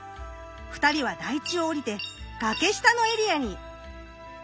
２人は台地をおりて崖下のエリアに。